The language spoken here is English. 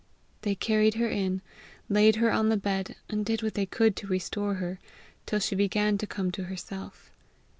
They carried her in, laid her on the bed, and did what they could to restore her, till she began to come to herself.